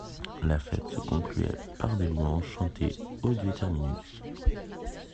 La fête se concluait par des louanges chantées au dieu Terminus.